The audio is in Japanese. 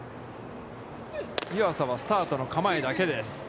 湯浅はスタートの構えだけです。